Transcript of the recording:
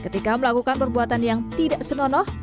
ketika melakukan perbuatan yang tidak senonoh